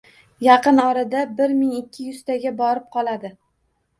– Yaqin-orada bir ming ikki yuztaga borib qoladi